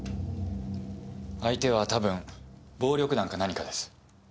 相手はたぶん暴力団か何かです。